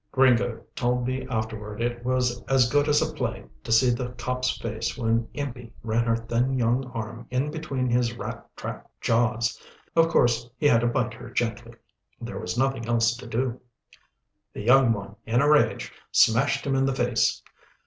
Gringo told me afterward it was as good as a play to see the cop's face when impie ran her thin young arm in between his rat trap jaws. Of course he had to bite her gently. There was nothing else to do. The young one in a rage, smashed him in the face.